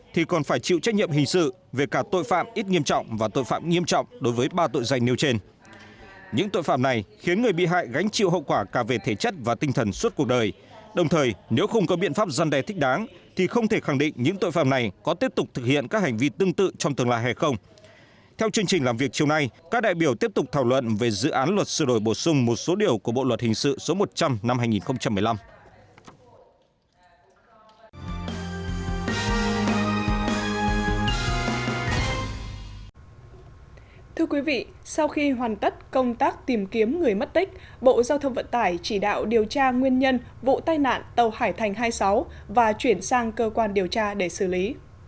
thưa quý vị sau khi hoàn tất công tác tìm kiếm người mất tích bộ giao thông vận tải chỉ đạo điều tra nguyên nhân vụ tai nạn tàu hải thành hai mươi sáu và chuyển sang cơ quan điều tra để xử lý